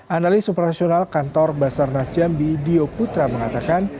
analis operasional kantor basarnas jambi dio putra mengatakan